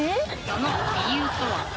その理由とは？